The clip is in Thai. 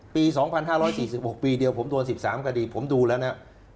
ปี๒๕๔๖ปีเดียวผมโดน๑๓คดีผมดูแล้วนะ